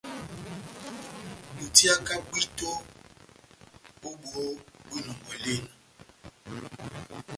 Dutiaka bwito ó boho bwa inɔngɔ elena.